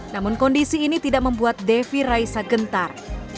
namun kondisi ini tidak membuat devi raisa gentar